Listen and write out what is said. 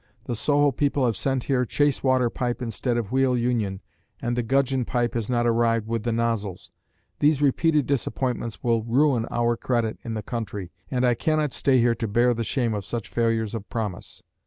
The Soho people have sent here Chacewater pipe instead of Wheal Union, and the gudgeon pipe has not arrived with the nozzles. These repeated disappointments will ruin our credit in the country, and I cannot stay here to bear the shame of such failures of promise.